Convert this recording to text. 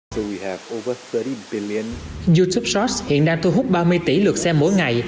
youtube shorts hiện đang thu hút ba mươi tỷ lượt xem mỗi ngày